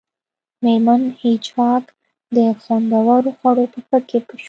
میرمن هیج هاګ د خوندورو خوړو په فکر کې شوه